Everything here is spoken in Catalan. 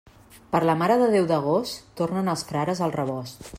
Per la Mare de Déu d'agost, tornen els frares al rebost.